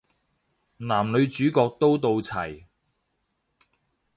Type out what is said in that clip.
男女主角都到齊